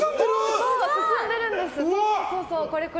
進んでるんです。